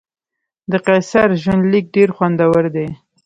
د قیصر ژوندلیک ډېر خوندور دی.